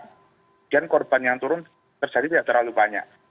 kemudian korban yang turun terjadi tidak terlalu banyak